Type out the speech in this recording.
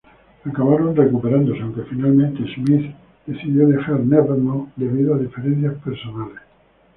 Acabaron recuperándose, aunque finalmente Smyth decidió dejar Nevermore debido a diferencias "personales".